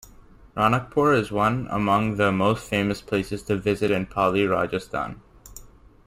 Ranakpur is one among the most famous places to visit in Pali, Rajasthan.